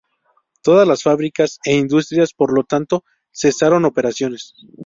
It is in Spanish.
Todas las fábricas e industrias por lo tanto cesaron operaciones.